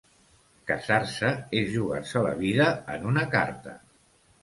Casar-se és jugar-se la vida en una carta.